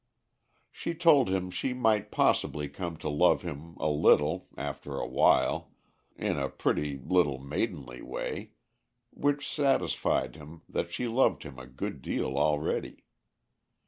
She told him she might possibly come to love him a little after awhile, in a pretty little maidenly way, which satisfied him that she loved him a good deal already.